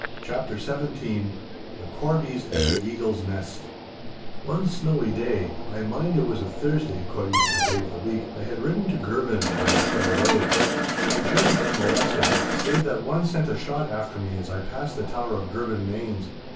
*CHAPTER XVII* *THE CORBIES AT THE EAGLE'S NEST* One snowy day, I mind it was a Thursday according to the day of the week, I had ridden to Girvan by the shore road. I journeyed unmolested save that one sent a shot after me as I passed the tower of Girvanmains.